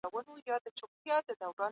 پوهانو اوږد مهاله بدلون ته پرمختيا ويلې وه.